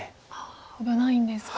危ないんですか。